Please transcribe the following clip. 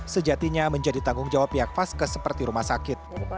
sejatinya menjadi tanggung jawab pihak vaskes seperti rumah sakit